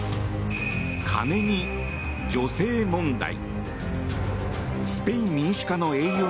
カネに女性問題。